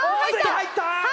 入った！